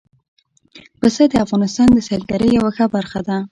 پسه د افغانستان د سیلګرۍ یوه ښه برخه ده.